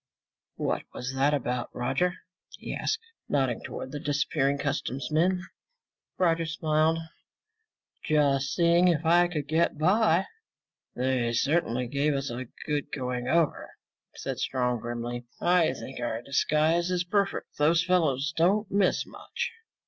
"What was that about, Roger?" he asked, nodding toward the disappearing customs men. Roger smiled. "Just seeing if I could get by." "They certainly gave us a good going over," said Strong grimly. "I think our disguise is perfect. Those fellows don't miss much."